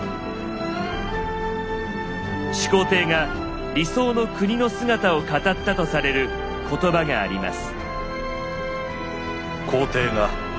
始皇帝が理想の国の姿を語ったとされる言葉があります。